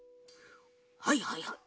はいはいはい。